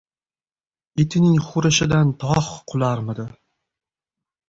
• Itning hurishidan tog‘ qularmidi?